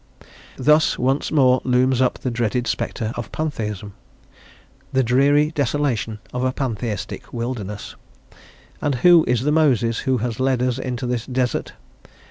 Thus once more looms up the dreaded spectre of Pantheism, "the dreary desolation of a Pantheistic wilderness;" and who is the Moses who has led us into this desert?